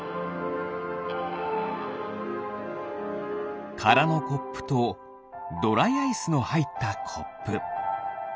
ては？からのコップとドライアイスのはいったコップ。